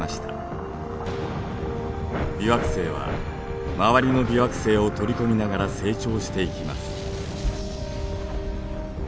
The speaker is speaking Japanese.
微惑星は周りの微惑星を取り込みながら成長していきます。